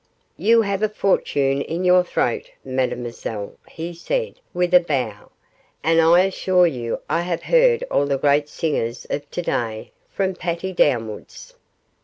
'You have a fortune in your throat, mademoiselle,' he said, with a bow, 'and I assure you I have heard all the great singers of to day from Patti downwards.